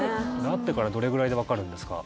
会ってからどれぐらいで分かるんですか？